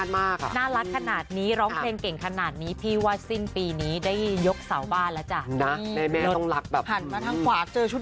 ทำงานไปก่อนค่ะ